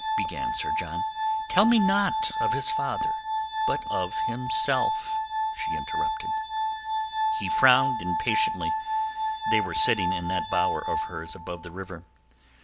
began Sir John. "Tell me not of his father, but of himself," she interrupted. He frowned impatiently—they were sitting in that bower of hers above the river.